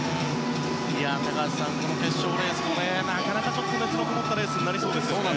高橋さんこの決勝レースもなかなか熱のこもったレースになりそうですね。